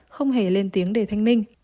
không hề lên tiếng để thanh minh